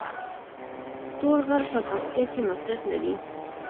تور غر په پکتیا کې موقعیت لري